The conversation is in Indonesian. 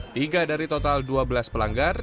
tiga dari total dua belas pelanggar